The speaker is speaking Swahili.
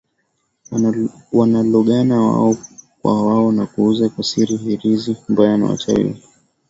Wanalogana wao kwa wao na kuuza kwa siri hirizi mbaya kwa wachawi wa Kimasai